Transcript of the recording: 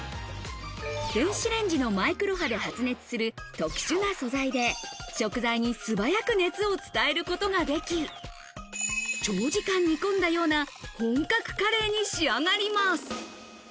電子レンジのマイクロ波で発熱する特殊な素材で、食材に素早く熱を伝えることができ、長時間煮込んだような本格カレーに仕上がります。